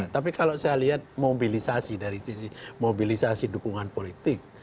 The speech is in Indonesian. tapi kalau saya lihat mobilisasi dari sisi mobilisasi dukungan politik